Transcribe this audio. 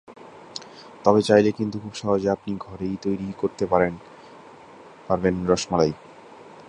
তবে চাইলে কিন্তু খুব সহজে আপনি ঘরেই তৈরি করতে পারবেন রসমালাই।